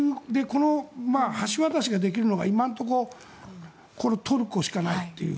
この橋渡しができるのが今のところトルコしかないという。